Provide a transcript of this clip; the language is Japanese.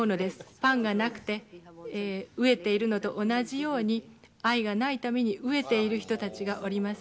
パンがなくて飢えているのと同じように、愛がないために飢えている人たちがおります。